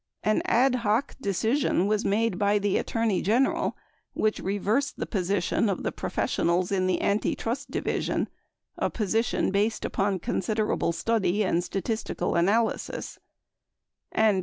An ad hoc, decision was made by the Attorney General which reversed the position of the professionals in the Antitrust Divi sion, a position based upon considerable study and statistical analysis; and 3.